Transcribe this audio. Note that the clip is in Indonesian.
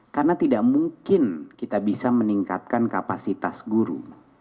karena tidak mungkin kita bisa meningkatkan kapasitas guru